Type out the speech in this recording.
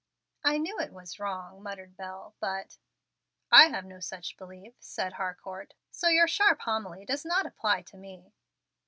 "I knew it was wrong," muttered Bel, "but " "I have no such belief," said Harcourt, "so your sharp homily does not apply to me."